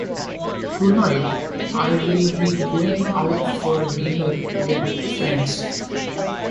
Tonight, I will be going out for dinner with friends.